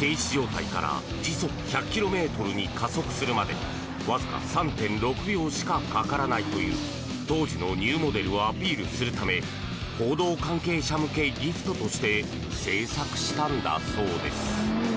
停止状態から時速１００ｋｍに加速するまでわずか３．６秒しかかからないという当時のニューモデルをアピールするため報道関係者向けギフトとして制作したんだそうです。